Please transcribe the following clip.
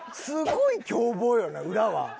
すごい凶暴よな裏は。